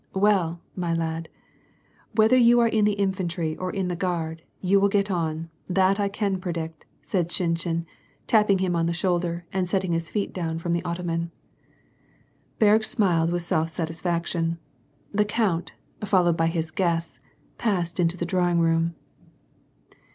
"Well, my lad,* whether yo.u are in the infantry or in the gnard, you . will get on ; that I can predict," said Shinshin, tapping him on the shoulder and setting his feet down from the ottoman. Berg smiled with self satisfaction. The count, followed by his guests, passed into the drawing room.